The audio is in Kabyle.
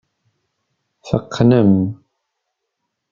Teqqnem.